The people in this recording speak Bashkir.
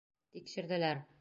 Тикшерҙеләр.